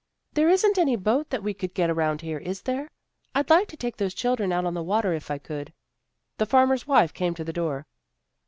" There isn't any boat that we could get around here, is there? I'd like to take those children out on the water if I could." The farmer's wife came to the door.